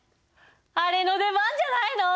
あれの出番じゃないの！